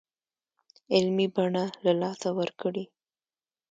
علمي بڼه له لاسه ورکړې.